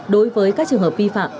đối với các trường hợp vi phạm